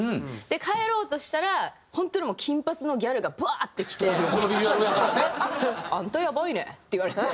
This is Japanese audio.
で帰ろうとしたら本当にもう金髪のギャルがバーッて来て。って言われて。